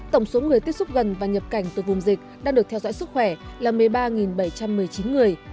tổng số người tiếp xúc gần và nhập cảnh từ vùng dịch đang được theo dõi sức khỏe là một mươi ba bảy trăm một mươi chín người